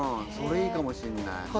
それいいかもしんない。